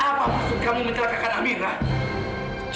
apa maksud kamu menjelakakan amirah